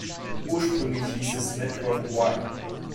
Ursprünglich hieß es "Network Y".